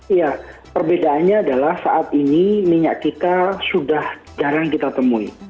iya perbedaannya adalah saat ini minyak kita sudah jarang kita temui